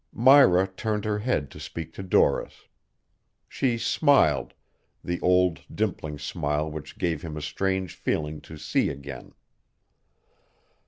Myra turned her head to speak to Doris. She smiled, the old dimpling smile which gave him a strange feeling to see again.